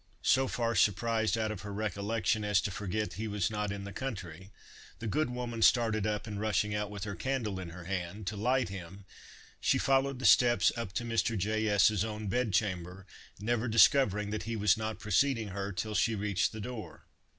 So far surprised out of her recollection as to forget he was not in the country, the good woman started up, and, rushing out with her candle in her hand, to light him, she followed the steps up to Mr. J—— S——'s own bed chamber, never discovering that he was not preceding her till she reached the door.